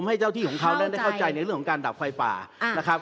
ให้เจ้าที่ของเขานั้นได้เข้าใจในเรื่องของการดับไฟป่านะครับ